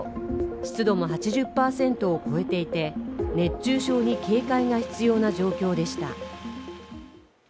湿度も８０％を超えていて、熱中症に警戒が必要な状況でした。